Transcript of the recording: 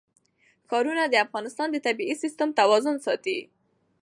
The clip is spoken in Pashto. ښارونه د افغانستان د طبعي سیسټم توازن ساتي.